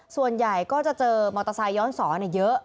ส่วนใหญ่ก็จะเจอมอเตอร์ไซค์ย้อนสอนเยอะ